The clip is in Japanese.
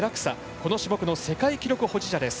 この種目の世界記録保持者です。